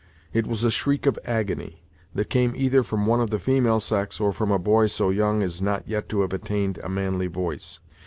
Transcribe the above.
It was a shriek of agony, that came either from one of the female sex, or from a boy so young as not yet to have attained a manly voice.